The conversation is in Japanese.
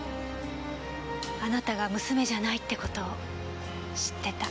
あなたが娘じゃないってことを知ってた。